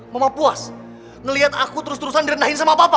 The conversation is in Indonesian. mama puas ngeliat aku terus terusan direnahin sama papa